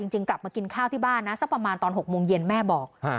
จริงกลับมากินข้าวที่บ้านนะสักประมาณตอน๖โมงเย็นแม่บอก